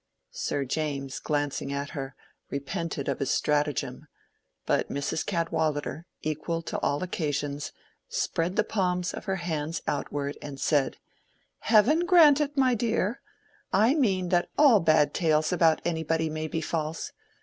Sir James, glancing at her, repented of his stratagem; but Mrs. Cadwallader, equal to all occasions, spread the palms of her hands outward and said—"Heaven grant it, my dear!—I mean that all bad tales about anybody may be false.